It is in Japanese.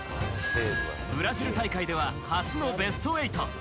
ブラジル大会では初のベスト８。